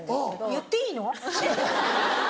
言っていいの？